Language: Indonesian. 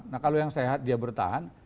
nah kalau yang sehat dia bertahan